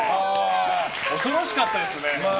恐ろしかったですね。